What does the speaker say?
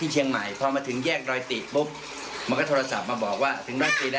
หื้อ